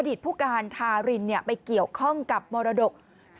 อดีตผู้การทารินเนี่ยไปเกี่ยวข้องกับมรดก